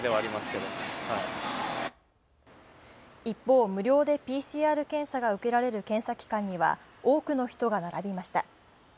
一方、無料でＰＣＲ検査が受けられる検査機関には多くの人が並びました。